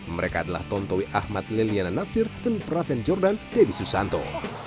mereka adalah tontowi ahmad liliana natsir dan praven jordan debbie susanto